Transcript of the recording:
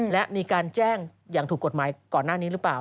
และมีการแจ้งอย่างถูกกฎหมายก่อนหน้านี้หรือเปล่า